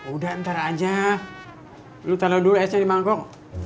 udah ntar aja lu tandu dulu esnya di mangkok